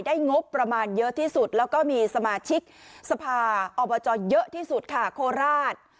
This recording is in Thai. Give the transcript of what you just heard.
งบประมาณเยอะที่สุดแล้วก็มีสมาชิกสภาอบจเยอะที่สุดค่ะโคราช